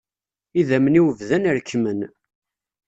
Idammen-iw bdan rekkmen.